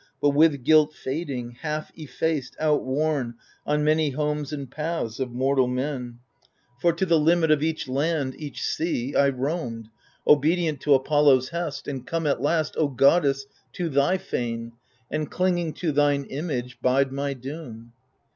But with guilt fading, half effaced, outworn On many homes and paths of mortal men. (.». 148 THE FURIES For to the limit of each land, each sea, I roamed, obedient to Apollo's hest. And come at last, O Goddess, to thy fane. And clinging to thine image, bide my doom.